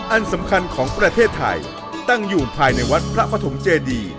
อันสำคัญของประเทศไทยตั้งอยู่ภายในวัดพระปฐมเจดี